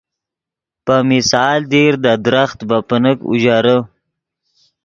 پے مثال دیر دے درخت ڤے پینیک اوژرے